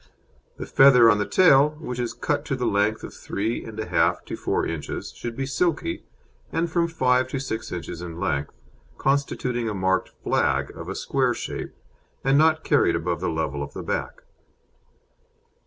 The feather on the tail (which is cut to the length of three and a half to four inches) should be silky, and from five to six inches in length, constituting a marked "flag" of a square shape, and not carried above the level of the back.